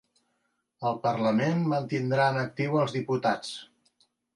El parlament mantindrà en actiu els diputats